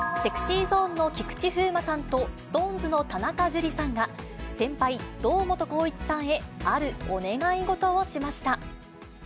ＳｅｘｙＺｏｎｅの菊池風磨さんとＳｉｘＴＯＮＥＳの田中樹さんが、先輩、堂本光一さんへあるお願い事をしました。